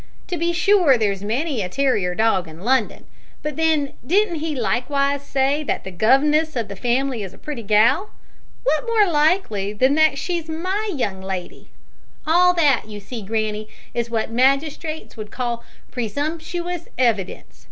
To be sure there's many a terrier dog in London, but then didn't he likewise say that the gov'ness o' the family is a pretty gal? Wot more likely than that she's my young lady? All that, you see, granny, is what the magistrates would call presumptuous evidence.